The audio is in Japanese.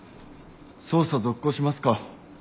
捜査続行しますか？